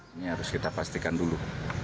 ini harus kita pastikan dulu